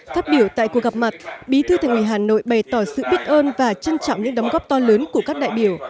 phát biểu tại cuộc gặp mặt bí thư thành ủy hà nội bày tỏ sự biết ơn và trân trọng những đóng góp to lớn của các đại biểu